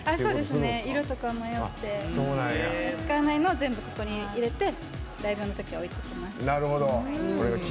色とか迷って使わないのを全部ここに入れてライブのときは置いておきます。